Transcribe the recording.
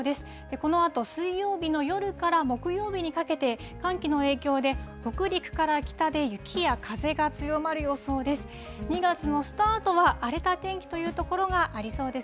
このあと、水曜日の夜から木曜日にかけて、寒気の影響で北陸から北で雪や風が強まる予想です。